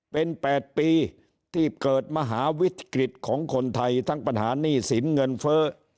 เป็น๘ปีที่เกิดมหาวิกฤตของคนไทยทั้งปัญหาหนี้สินเงินเฟ้อ